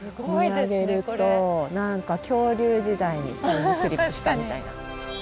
見上げると何か恐竜時代にタイムスリップしたみたいな。